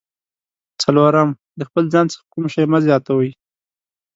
څلورم: د خپل ځان څخه کوم شی مه زیاتوئ.